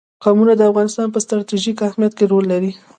قومونه د افغانستان په ستراتیژیک اهمیت کې رول لري.